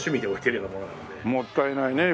もったいないね